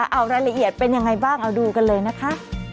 เอารายละเอียดเป็นยังไงบ้างเอาดูกันเลยนะคะ